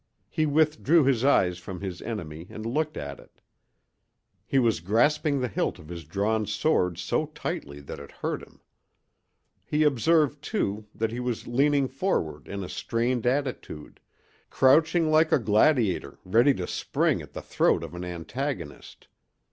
He withdrew his eyes from his enemy and looked at it. He was grasping the hilt of his drawn sword so tightly that it hurt him. He observed, too, that he was leaning forward in a strained attitude—crouching like a gladiator ready to spring at the throat of an antagonist.